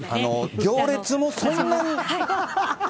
行列もそんなに。